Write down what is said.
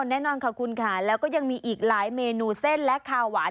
แน่นอนค่ะคุณค่ะแล้วก็ยังมีอีกหลายเมนูเส้นและคาวหวาน